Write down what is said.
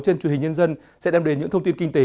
trên truyền hình nhân dân sẽ đem đến những thông tin kinh tế